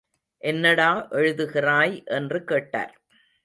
என்னடா எழுதுகிறாய் என்று கேட்டார்.